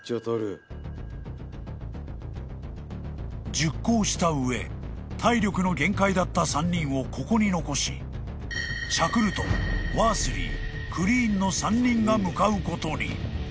［熟考した上体力の限界だった３人をここに残しシャクルトンワースリークリーンの３人が向かうことに］